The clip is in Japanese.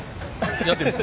やってみる？